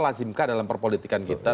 lazimkah dalam perpolitikan kita